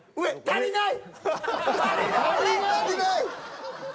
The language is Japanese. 足りない！